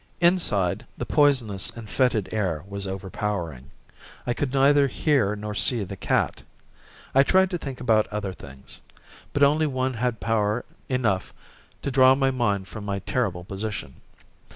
Inside, the poisonous and fetid air was overpowering. I could neither hear nor see the cat. I tried to think about other things but only one had power enough to draw my mind from my terrible position.